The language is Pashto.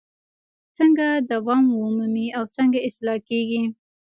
څنګه دوام ومومي او څنګه اصلاح کیږي؟